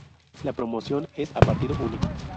La promoción es a partido único.